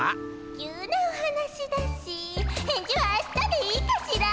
急なお話だし返事は明日でいいかしら？